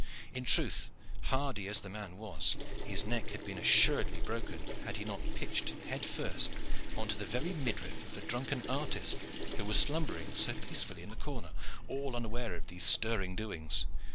In truth, hardy as the man was, his neck had been assuredly broken had he not pitched head first on the very midriff of the drunken artist, who was slumbering so peacefully in the corner, all unaware of these stirring doings.